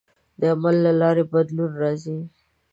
د عمل له لارې بدلون راځي.